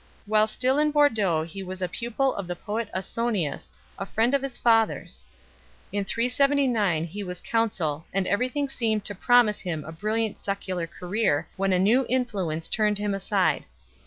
While still in Bordeaux he was a pupil of the poet Ausonius, a friend of his father s. In 379 he was consul and everything seemed to promise him a brilliant secular career, when a new influence turned him aside.